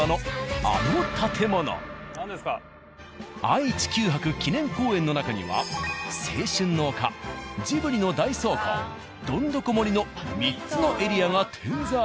愛・地球博記念公園の中には青春の丘ジブリの大倉庫どんどこ森の３つのエリアが点在。